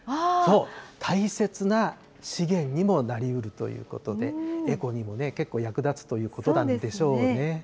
そう、大切な資源にもなりうるということで、エコにも結構役立つということなんでしょうね。